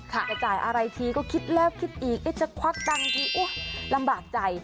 จะจ่ายอะไรทีก็คิดแล้วคิดอีกจะควักตังค์ทีลำบากใจ